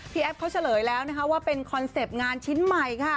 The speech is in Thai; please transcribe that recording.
แอฟเขาเฉลยแล้วนะคะว่าเป็นคอนเซ็ปต์งานชิ้นใหม่ค่ะ